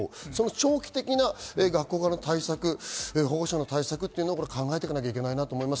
長期的な学校側の対策、保護者側の対策を考えていかなければいけないと思います。